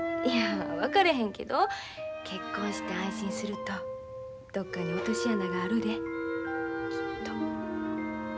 いや分からへんけど結婚して安心するとどこかに落とし穴があるできっと。